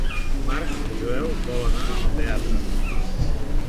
Dimarts en Joel vol anar al teatre.